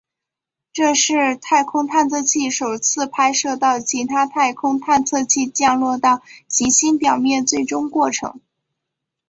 这是太空探测器首次拍摄到其他太空探测器降落到行星表面最终过程。